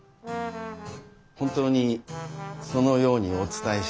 本当にそのようにお伝えして。